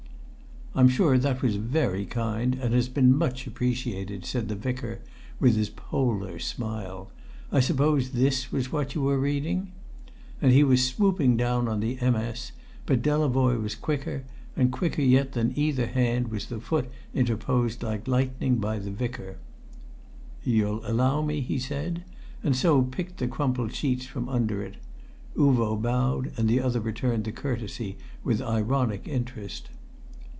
"I'm sure that was very kind, and has been much appreciated," said the Vicar, with his polar smile. "I suppose this was what you were reading?" And he was swooping down on the MS., but Delavoye was quicker; and quicker yet than either hand was the foot interposed like lightning by the Vicar. "You'll allow me?" he said, and so picked the crumpled sheets from under it. Uvo bowed, and the other returned the courtesy with ironic interest.